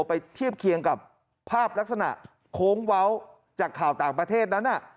ไปเทียบเคียงกับภาพลักษณะโค้งเว้าจากข่าวต่างประเทศนั้น